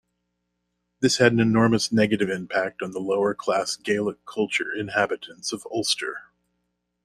This had an enormous negative impact on the lower class Gaelic-culture inhabitants of Ulster.